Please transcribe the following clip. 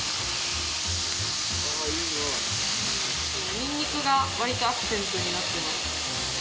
ニンニクがわりとアクセントになってます。